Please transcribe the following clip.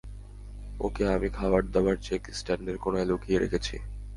ওকে, আমি খাবারদাবার চেক স্ট্যান্ডের কোণায় লুকিয়ে রেখেছি।